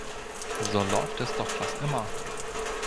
So läuft es doch fast immer.